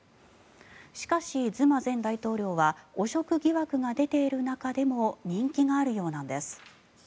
しかし、ズマ前大統領は汚職疑惑が出ている中でも人気があるようなんです。